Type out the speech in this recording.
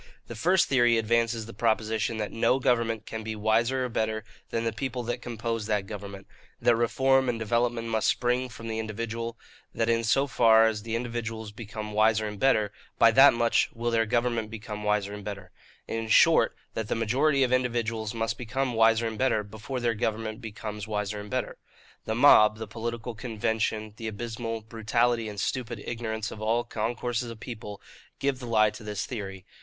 The first theory advances the proposition that no government can be wiser or better than the people that compose that government; that reform and development must spring from the individual; that in so far as the individuals become wiser and better, by that much will their government become wiser and better; in short, that the majority of individuals must become wiser and better, before their government becomes wiser and better. The mob, the political convention, the abysmal brutality and stupid ignorance of all concourses of people, give the lie to this theory.